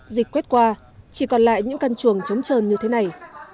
dịch quét qua chỉ còn lại những căn chuồng trống trơn như thế này